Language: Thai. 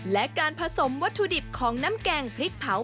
และการผสมวัตถุดิบของน้ำแกงพริกเผา